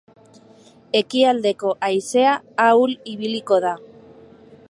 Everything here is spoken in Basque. Ekialdeko haizea ahul ibiliko da.